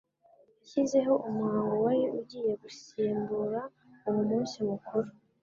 yashyizeho umuhango wari ugiye gusimbura uwo munsi mukuru